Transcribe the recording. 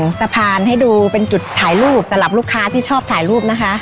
หาทางเผาสภานให้ดูเป็นจุดถ่ายรูปแต่ลำลูกค้าที่ชอบถ่ายรูปนะคะ